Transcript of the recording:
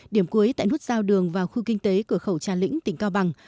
điểm cuối tại nút giao đường vào khu kinh tế cửa khẩu trà lĩnh tỉnh cao bằng